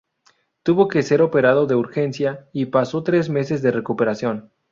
Tuvo que ser operado de urgencia y pasó tres meses de recuperación.